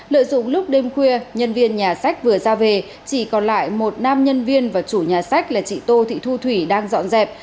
lợi dụng lúc đêm khuya nhân viên nhà sách vừa ra về chỉ còn lại một nam nhân viên và chủ nhà sách là chị tô thị thu thủy đang dọn dẹp